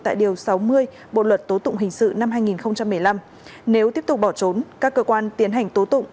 tại điều sáu mươi bộ luật tố tụng hình sự năm hai nghìn một mươi năm nếu tiếp tục bỏ trốn các cơ quan tiến hành tố tụng